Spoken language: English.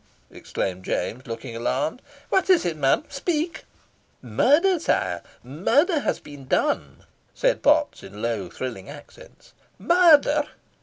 exclaimed James, looking alarmed. "What is it, man? Speak!" "Murder? sire, murder has been done," said Potts, in low thrilling accents. "Murder!"